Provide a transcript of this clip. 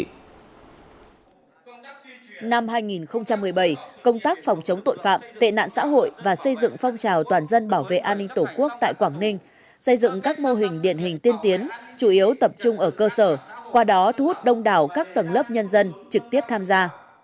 năm hai nghìn một mươi bảy công tác phòng chống tội phạm tệ nạn xã hội và xây dựng phong trào toàn dân bảo vệ an ninh tổ quốc tại quảng ninh xây dựng các mô hình điển hình tiên tiến chủ yếu tập trung ở cơ sở qua đó thu hút đông đảo các tầng lớp nhân dân trực tiếp tham gia